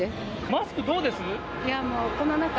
マスクどうです？